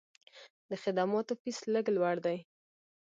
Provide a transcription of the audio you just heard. د خدماتو فیس لږ لوړ دی.